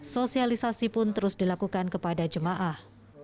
sosialisasi pun terus dilakukan kepada jemaah